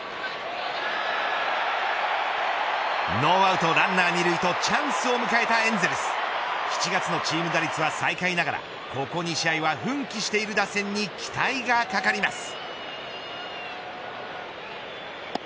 ノーアウトランナー二塁とチャンスを迎えたエンゼルス。７月のチーム打率は最下位ながらここ２試合は奮起している打線に期待が懸かります。